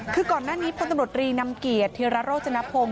คือก่อนหน้านี้พรรีนำเกียร์เทราโรจนพงศ์